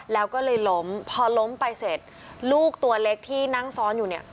แล้วก็เลยล้มพอล้มไปเสร็จลูกตัวเล็กที่นั่งซ้อนอยู่เนี่ย